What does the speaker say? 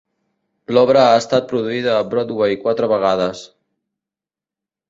L'obra ha estat produïda a Broadway quatre vegades.